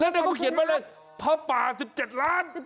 แล้วเขาเขียนไปเลยพระป่า๑๗ล้าน